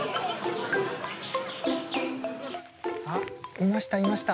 いました、いました。